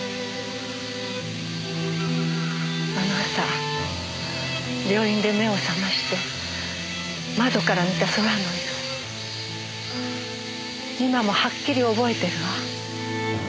あの朝病院で目を覚まして窓から見た空の色今もはっきり覚えてるわ。